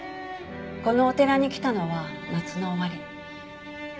このお寺に来たのは夏の終わり。